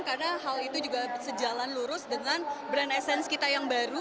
karena hal itu juga sejalan lurus dengan brand essence kita yang baru